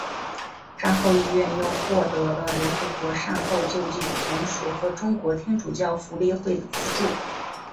战后医院又获得了联合国善后救济总署和中国天主教福利会的资助。